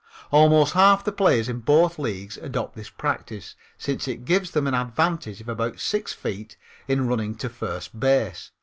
Almost half the players in both leagues adopt this practice since it gives them an advantage of about six feet in running to first base.